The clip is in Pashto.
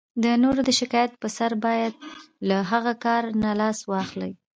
د نورو د شکایت په سر باید له هغه کار نه لاس واخلئ.